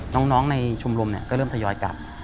น้องในชมรมก็เริ่มทยอยกลับ